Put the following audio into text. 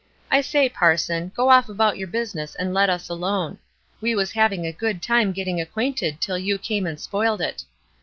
I say, Parson, go off about your business and let us alone. We was having a good time getting acquainted till you come and spoiled it.